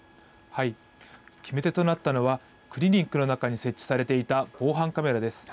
決め手となったのは、クリニックの中に設置されていた防犯カメラです。